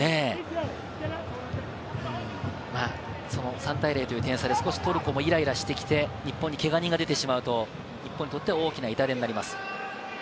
３対０という点差でちょっとトルコもイライラしてきて、日本にけが人が出てきてしまうと、日本にとっては大きな痛手になります。